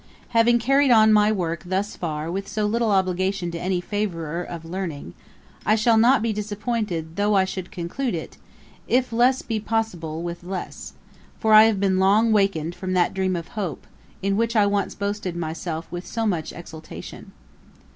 ] 'Having carried on my work thus far with so little obligation to any favourer of learning, I shall not be disappointed though I should conclude it, if less be possible, with less; for I have been long wakened from that dream of hope, in which I once boasted myself with so much exultation.